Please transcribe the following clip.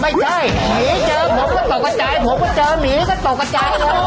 ไม่ใช่หมีเจอผมก็ตกกระจายผมก็เจอหมีก็ตกกระจายเลย